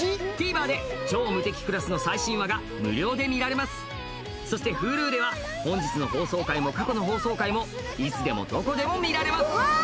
ＴＶｅｒで『超無敵クラス』の最新話が無料で見られますそしてＨｕｌｕでは本日の放送回も過去の放送回もいつでもどこでも見られますわ！